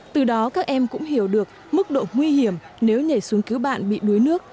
từ đó các em cũng hiểu được mức độ nguy hiểm nếu nhảy xuống cứu bạn bị đuối nước